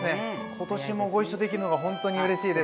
今年もご一緒できるのがほんとにうれしいです。